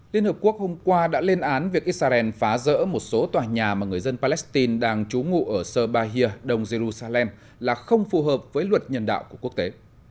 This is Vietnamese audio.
liên hợp quốc hôm qua đã lên án việc israel phá rỡ một số tòa nhà mà người dân palestine đang trú ngụ ở sơ bahia đông jerusalem là không phù hợp với luật nhân đạo của quốc tế